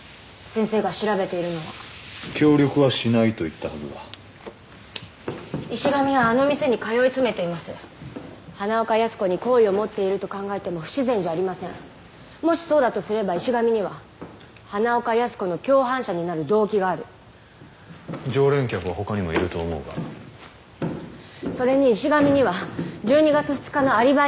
先生が調べているのは協力はしないと言ったはずだ石神はあの店に通い詰めています花岡靖子に好意を持っていると考えても不自然じゃありませんもしそうだとすれば石神には花岡靖子の共犯者になる動機がある常連客は他にもいると思うがそれに石神には１２月２日のアリバイがありません